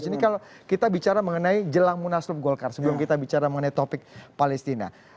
ini kalau kita bicara mengenai jelang munaslup golkar sebelum kita bicara mengenai topik palestina